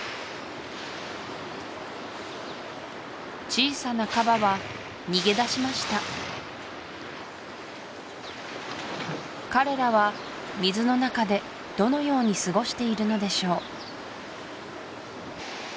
小さなカバは逃げ出しました彼らは水の中でどのように過ごしているのでしょう？